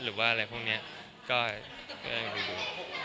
หรือว่าอะไรพวกเนี้ยก็ยังไม่รู้